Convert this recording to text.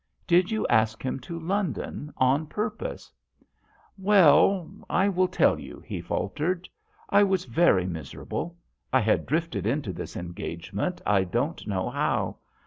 " Did you ask him to London on purpose ?" "Well, I will tell you," he faltered. " I was very miserable. I had drifted into this engage ment I don't know how.